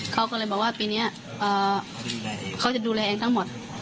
เขาก็เลยบอกว่าปีนี้เขาจะดูแลเองทั้งหมด